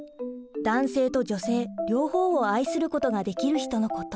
男性と女性両方を愛することができる人のこと。